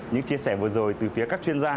những chia sẻ vừa rồi từ phía các chuyên gia